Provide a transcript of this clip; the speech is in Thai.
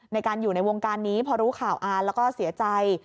ในการอยู่ในวงการนี้พอรู้ข่าวอ่านแล้วก็เสียใจ